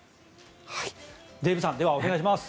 デーブさん、お願いします。